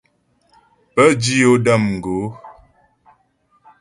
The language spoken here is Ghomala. Pə́ dǐ yo də̌m gǒ.